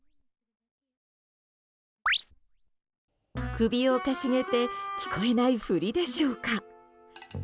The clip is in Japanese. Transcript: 首をかしげて聞こえないふりでしょうか。